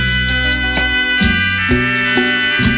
มีความรู้สึกว่ามีความรู้สึกว่า